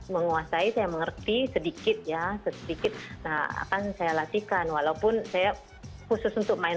menguasai saya mengerti sedikit ya sedikit nah akan saya latihkan walaupun saya khusus untuk main